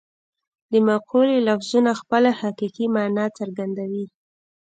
د مقولې لفظونه خپله حقیقي مانا څرګندوي